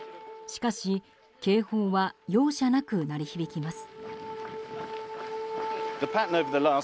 しかし、警報は容赦なく鳴り響きます。